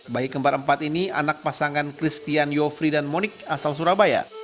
bayi kembar empat ini anak pasangan christian yofri dan moniq asal surabaya